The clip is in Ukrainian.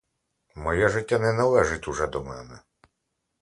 Моє життя не належить уже до мене!